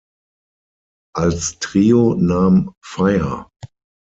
Als Trio nahm Fire!